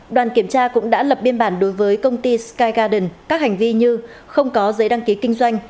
đoàn kiểm tra cũng đã lập biên bản đối với công ty sky garden các hành vi như không có giấy đăng ký kinh doanh